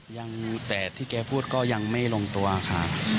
ยังแต่ที่แกพูดก็ยังไม่ลงตัวค่ะ